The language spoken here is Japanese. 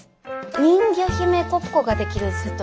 人魚姫ごっこができるセットで。